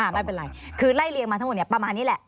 ไม่เป็นไรคือไล่เลียงมาทั้งหมดประมาณนี้แหละ